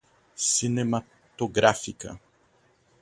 cinematográfica